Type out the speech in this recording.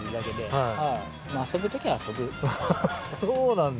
そうなんだ。